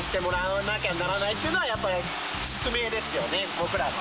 僕らの。